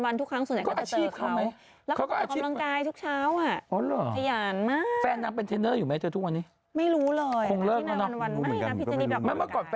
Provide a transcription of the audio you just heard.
เมื่อก่อนแฟนเขาเป็นเทรนเนอร์ด้วยใช่ไหม